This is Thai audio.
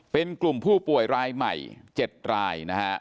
เป็นกลุ่มผู้ป่วยรายใหม่๗รายนะฮะ